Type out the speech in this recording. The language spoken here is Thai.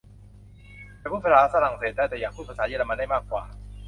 ฉันพูดภาษาฝรั่งเศสได้ แต่อยากพูดภาษาเยอรมันได้มากกว่า